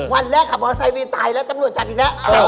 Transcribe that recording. วันแรกขับมอเซวินตายแล้วตำรวจจับอีกแล้ว